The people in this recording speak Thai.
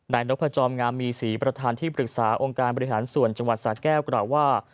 นายนกประจอมงามี่ศรีประทานที่ปรึกษาองค์การบริหารภาพส่วนจังหวัดสรรค์แก้วก็เคราะห์ว่า